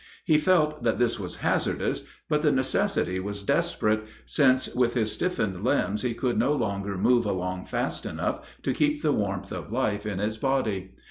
He felt that this was hazardous, but the necessity was desperate, since with his stiffened limbs he could no longer move along fast enough to keep the warmth of life in his body.